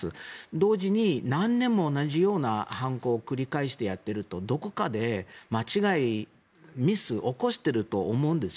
同時に何年も同じような犯行を繰り返してやっているとどこかで間違い、ミス起こしていると思うんです。